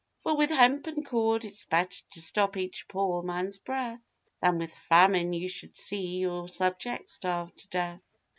'For with hempen cord it's better to stop each poor man's breath, Than with famine you should see your subjects starve to death.